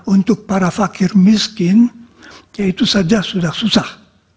untuk para fakir miskin ya itu saja sudah susah